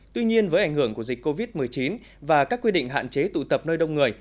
tuy nhiên với ảnh hưởng của dịch covid một mươi chín và các quy định hạn chế tụ tập nơi đông người